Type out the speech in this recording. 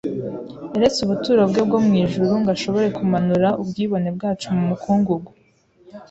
Yaretse ubuturo bwe bwo mu ijuru, ngo ashobore kumanura ubwibone bwacu mu mukungugu